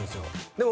でも